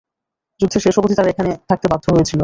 যুদ্ধের শেষ অবধি তারা এখানে থাকতে বাধ্য হয়েছিল।